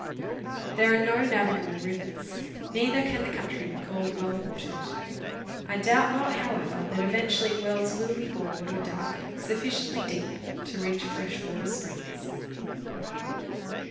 There are no navigable rivers ; neither can the country be called well watered. I doubt not, however, that eventually wells will be bored or dug sufficiently deep to reach fresh water springs.